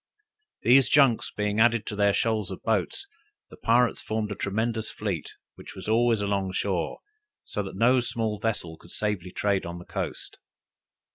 These junks being added to their shoals of boats, the pirates formed a tremendous fleet, which was always along shore, so that no small vessel could safely trade on the coast.